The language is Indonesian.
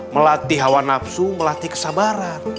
melatih hawa nafsu melatih kesabaran